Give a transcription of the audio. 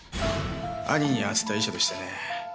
兄に宛てた遺書でしてね。